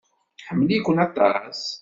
Tḥemmel-iken aṭas.